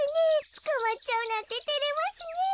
つかまっちゃうなんててれますねえ。